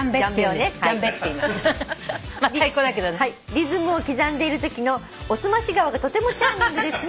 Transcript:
「リズムを刻んでいるときのおすまし顔がとてもチャーミングですね」